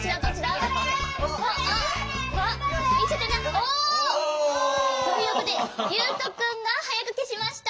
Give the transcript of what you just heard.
お！ということでりゅうとくんがはやくけしました！